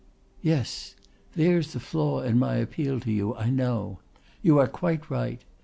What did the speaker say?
"Yes. There's the flaw in my appeal to you, I know. You are quite right.